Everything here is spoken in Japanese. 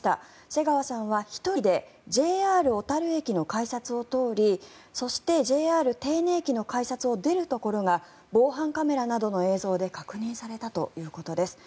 瀬川さんは１人でＪＲ小樽駅の改札を通りそして、ＪＲ手稲駅の改札を出るところが防犯カメラなどの映像で確認されたということです。